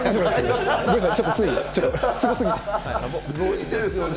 すごいですね。